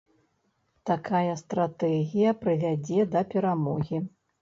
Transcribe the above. Такая стратэгія прывядзе да перамогі.